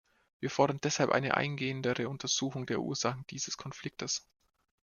Wir fordern deshalb eine eingehendere Untersuchung der Ursachen dieses Konfliktes.